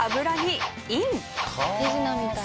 手品みたい。